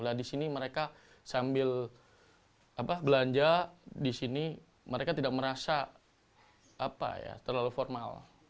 nah disini mereka sambil belanja disini mereka tidak merasa terlalu formal